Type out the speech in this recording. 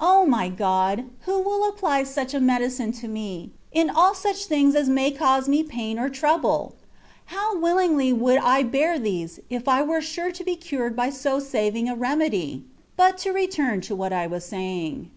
O my God ! who will apply such a medicine to me, in fdl such things as may cause me pain or trouble ? how willingly would I bear these, if I were sure to be cured by so saving a remedy ! But to re turn to what I was saying.